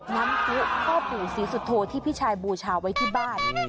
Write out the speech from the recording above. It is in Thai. น้ำกุข้อปูศีสุโทที่พี่ชายบูชาวไว้ที่บ้าน